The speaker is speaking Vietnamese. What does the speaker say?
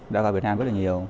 đã vào việt nam rất là nhiều